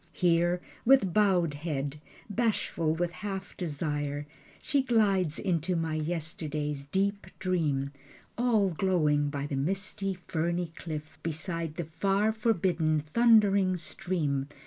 Here with bowed head, bashful with half desire She glides into my yesterday's deep dream, All glowing by the misty ferny cliff Beside the far forbidden thundering stream.